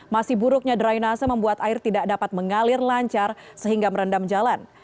masih buruknya drainase membuat air tidak dapat mengalir lancar sehingga merendam jalan